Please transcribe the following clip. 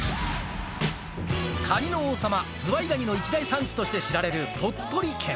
カニの王様、ズワイガニの一大産地として知られる鳥取県。